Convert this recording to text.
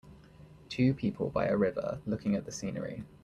Two people by a river looking at the scenery.